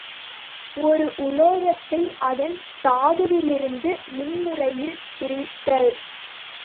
ஒரு உலோகத்தை அதன் தாதுவிலிருந்து மின்முறையில் பிரித்தல்.